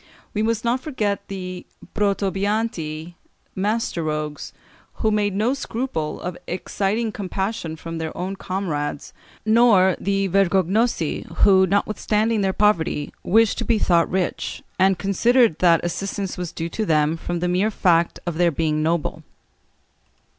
We must not forget the protobianti (master rogues), who made no scruple of exciting compassion from their own comrades (Fig. 381), nor the vergognosi, who, notwithstanding their poverty, wished to be thought rich, and considered that assistance was due to them from the mere fact of their being noble.